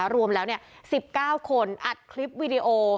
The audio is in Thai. รวมแล้ว๑๙คนอัดคลิปวิดีโอ